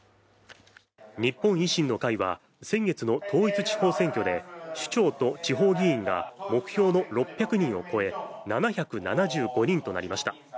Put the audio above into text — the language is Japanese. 日本維新の会は先月の統一地方選挙で首長と地方議員が目標の６００人を超え７７５人となりました。